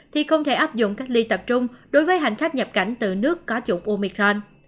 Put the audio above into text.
thì không thể áp dụng cách ly tập trung đối với hành khách nhập cảnh từ nước có chủng omicron